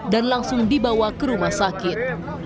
dan langsung dibawa ke rumah sakit